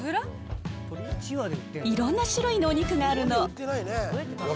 いろんな種類のお肉があるの。